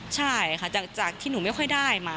ใช่ค่ะจากที่หนูไม่ค่อยได้มา